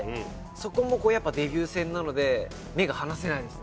そこもデビュー戦なので目が離せないですね。